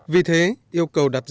vì thế yêu cầu đảng